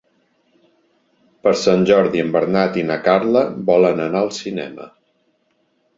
Per Sant Jordi en Bernat i na Carla volen anar al cinema.